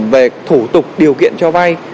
về thủ tục điều kiện cho vay